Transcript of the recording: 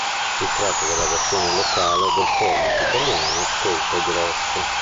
Si tratta della versione locale del format italiano "Colpo grosso".